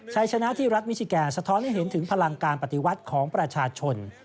ชัยชนะที่รัฐมิชิแกสะท้อนให้เห็นถึงพลังการปฏิวัติของประชาชน